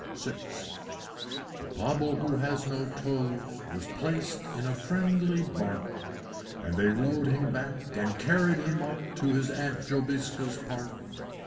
VI. The Pobble who has no toes Was placed in a friendly Bark, And they rowed him back, and carried him up To his Aunt Jobiska's Park.